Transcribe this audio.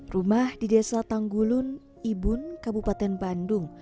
rumah di desa tanggulun ibun kabupaten bandung